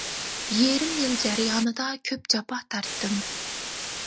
يېرىم يىل جەريانىدا كۆپ جاپا تارتتىم.